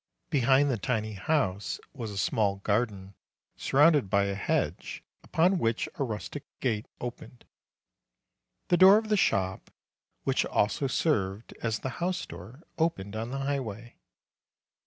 Behind the tiny house was a small garden surrounded by a hedge, upon which a rustic gate opened. The door of the shop, which also served as the house door, opened on the highway.